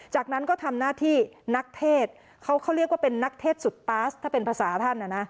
จากนั้นก็ทำหน้าที่นักเทศเขาเรียกว่าเป็นนักเทศสุดตาสถ้าเป็นภาษาท่าน